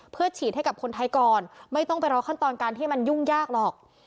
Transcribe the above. เพื่อฉีดให้กับคนไทยก่อนไม่ต้องไปรอขั้นตอนการที่มันยุ่งยากหรอก